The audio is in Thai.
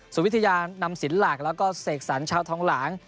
สุวิทยานำสินหลักแล้วก็เสกสรรชาวทองหลาง